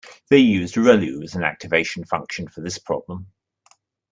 They used relu as an activation function for this problem.